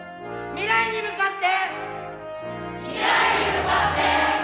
未来に向かって。